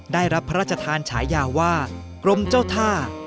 ได้รับพระราชทานฉายาว่ากรมเจ้าท่า